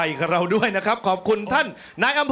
ออกออกออกออกออกออกออกออกออกออกออก